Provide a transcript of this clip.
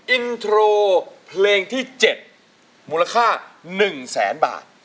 อินโทรเพลงที่๗มูลค่า๑แสนบาท